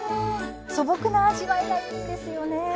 素朴な味わいがいいんですよね。